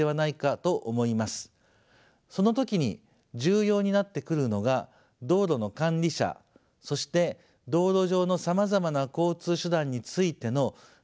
その時に重要になってくるのが道路の管理者そして道路上のさまざまな交通手段についての政策を立案し実行する人